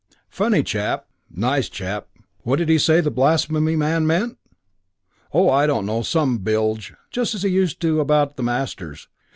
Funny chap ... nice chap.... "What did he say the blasphemy man meant? Oh, I don't know; some bilge, just as he used to about the masters.